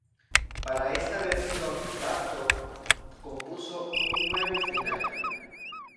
Para esta versión, Bartók compuso un nuevo final.